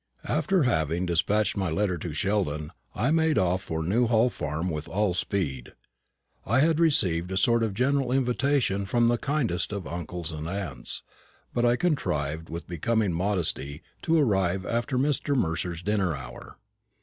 After having despatched my letter to Sheldon, I made off for Newhall farm with all speed. I had received a sort of general invitation from the kindest of uncles and aunts, but I contrived with becoming modesty to arrive after Mr. Mercer's dinner hour.